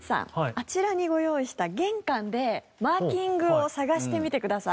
あちらにご用意した玄関でマーキングを探してみてください。